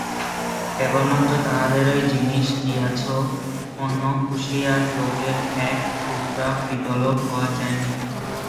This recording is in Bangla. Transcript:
কেবলমাত্র তাহদেরই জিনিস গিয়াছো-অন্য খুঁশিয়ার লোকের এক টুকরা পিতলও খোয়া যায় নাই।